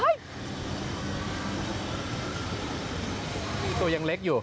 ยะให้มา